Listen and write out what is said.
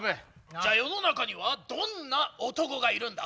じゃ世の中にはどんな男がいるんだ？